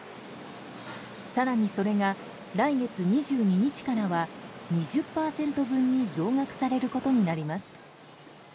更に、それが来月２２日からは２０％分に増額されることになります。